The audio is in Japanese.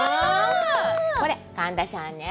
これ、神田さんね。